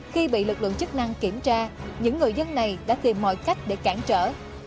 khi bị lực lượng chức năng kiểm tra những người dân này đã tìm mọi cách để cản trở